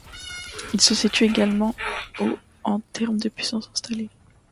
Il se situe également au en termes de puissance installée.